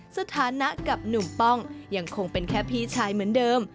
สถานะกับหนุ่มป้องยังคงเป็นแค่พี่ชายเหมือนเดิม